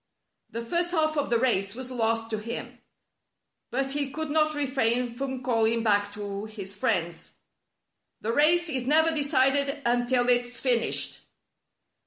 " The first half of the race was lost to him; but he could not refrain from calling back to his friends :" Tlie race is never decided until it's fin ished."